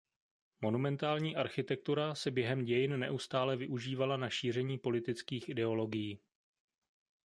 Monumentální architektura se během dějin neustále využívala na šíření politických ideologií.